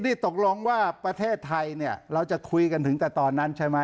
นี่ตกลงว่าประเทศไทยเนี่ยเราจะคุยกันถึงแต่ตอนนั้นใช่ไหม